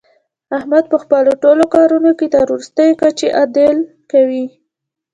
احمد په خپلو ټول کارونو کې تر ورستۍ کچې عدل کوي.